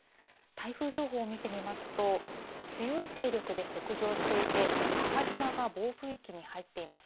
台風情報を見てみますと、強い勢力で北上していて、母島が暴風域に入っています。